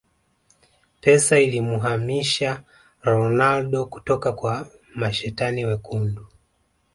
Pesa ilimuhamisha Ronaldo kutoka kwa mashetani wekundu